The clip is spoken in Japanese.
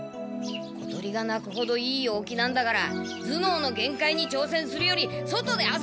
小鳥が鳴くほどいい陽気なんだから頭脳の限界に挑戦するより外で遊ぼう！